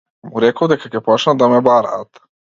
Му реков дека ќе почнат да ме бараат.